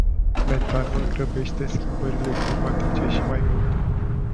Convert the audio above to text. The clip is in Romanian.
Metanul grăbește schimbările climatice și mai mult.